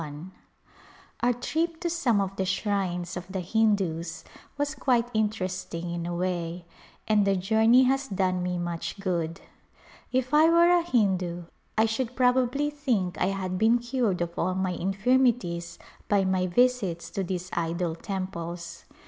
Our trip to some of the shrines of the Hindus was [ 229] A Glimpse of India quite interesting, in a way, and the journey has done me much good. If I were a Hindu I should prob ably think I had been cured of all my infirmities by my visits to these idol temples.